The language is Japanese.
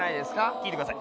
聞いてください。